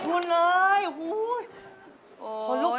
ไปเลยก็ไม่อภูมิเลย